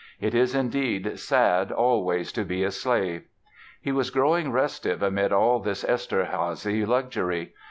It is indeed sad always to be a slave." He was growing restive amid all this Eszterházy luxury.